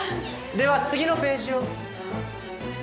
では次のページを。